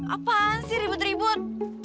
apaan sih ribut ribut